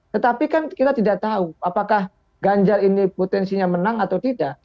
tetapi kan kita tidak tahu apakah ganjar ini potensinya menang atau tidak